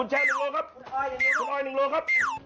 ฮัยยะ